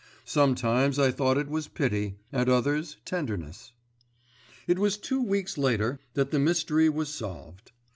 Sometimes I thought it was pity, at others tenderness. It was two weeks later that the mystery was solved.